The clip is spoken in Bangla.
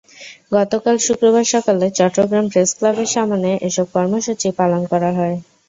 গতকাল শুক্রবার সকালে চট্টগ্রাম প্রেসক্লাবের সামনে এসব কর্মসূচি পালন করা হয়।